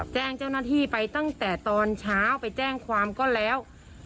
แจ้งเจ้าหน้าที่ไปตั้งแต่ตอนเช้าไปแจ้งความก็แล้ว